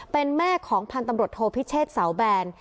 เป็นแม่ของพันธุ์ตำรวจโทพิเชษเสาแบน